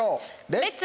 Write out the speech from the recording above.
レッツ！